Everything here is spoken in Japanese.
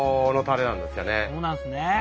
そうなんですね。